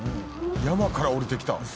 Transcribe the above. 山から下りてきた。